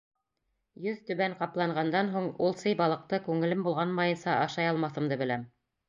Йөҙтүбән ҡапланғандан һуң, ул сей балыҡты күңелем болғанмайынса ашай алмаҫымды беләм.